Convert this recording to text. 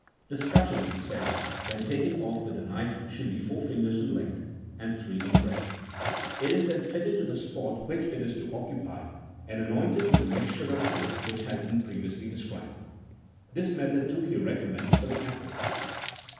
The scutcheon, he says, when taken off with the knife should be four33 fingers in length, and three in breadth. It is then fitted to the spot which it is to occupy, and anointed with the mixture of his which has been pre viously described.34 This method, too, he recommends for the apple.